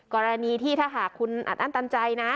กรณีที่ถ้าหากคุณอัดอั้นตันใจนะ